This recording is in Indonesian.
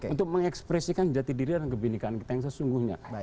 untuk mengekspresikan jati diri dan kebenekaan kita yang sesungguhnya